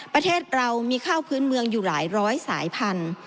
ประเทศเรามีข้าวพื้นเมืองอยู่หลายร้อยสายพันธุ์